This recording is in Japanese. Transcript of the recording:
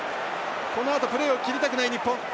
このあとプレーを切りたくない日本。